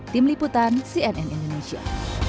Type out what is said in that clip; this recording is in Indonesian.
tim liputan cnn indonesia